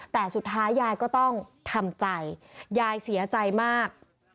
แต่สุดท้ายยายก็ต้องทำใจยายเสียใจมาก